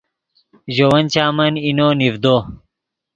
ژے ون چامن اینو نیڤدو